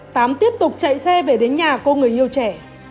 tám tiếp tục chạy xe về đến nhà cô người yêu trẻ